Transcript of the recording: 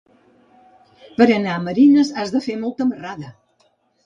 Per anar a Marines has de fer molta marrada.